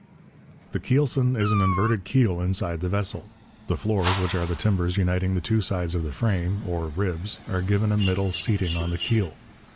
The keelson is an inverted keel inside the vessel. The floors, which are the timbers uniting the two sides of the frame (or ribs), are given a middle seating on the keel.